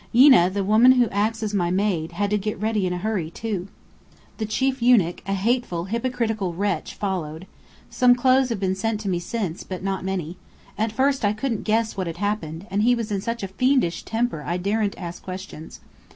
Yeena, the woman who acts as my maid, had to get ready in a hurry, too. The chief eunuch, a hateful hypocritical wretch, followed. Some clothes have been sent to me since, but not many. At first I couldn't guess what had happened, and he was in such a fiendish temper I daren't ask questions.